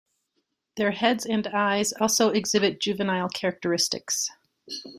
Their heads and eyes also exhibit juvenile characteristics.